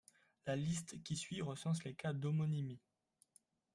La liste qui suit recense les cas d'homonymies.